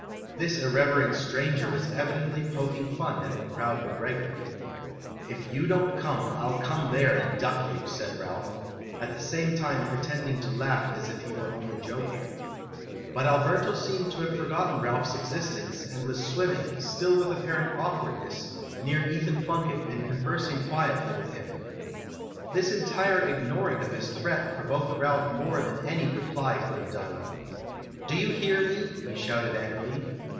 This irreverant stranger was evidently poking fun at the proud McGregor. "If you don't come, I '11 come there and duck you," said Ralph; at the same time pretending to laugh as if he were only joking. LITTLE PLUNKETT'S "COUSIN" 163 But Alberto seemed to have forgotten Ralph's existence, and was swimming, still with apparent awkwardness, near Ethan Plun kett, and conversing quietly with him. This entire ignoring of his threat provoked Ralph more than any reply could have done. "Do you hear me? "he shouted angrily.